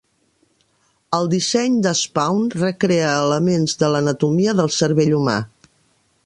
El disseny de Spaun recrea elements de l'anatomia del cervell humà.